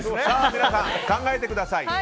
皆さん考えてください。